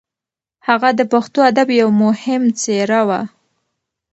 هغه د پښتو ادب یو مهم څېره وه.